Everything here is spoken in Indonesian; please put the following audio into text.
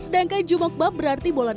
sedangkan jumok bab berarti bolanjir